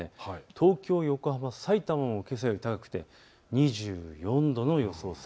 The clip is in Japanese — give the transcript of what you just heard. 東京、横浜、さいたまもけさより高くて２４度の予想です。